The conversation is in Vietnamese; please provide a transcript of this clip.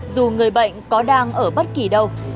dù người bệnh có đang ở bất kỳ đâu